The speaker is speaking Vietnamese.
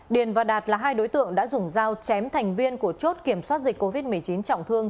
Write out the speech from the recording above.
điền và đạt là hai đối tượng đã dùng dao chém thành viên của chốt kiểm soát dịch covid một mươi chín trọng thương